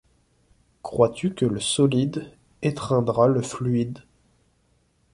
Crois-tu que le solide étreindra le fluide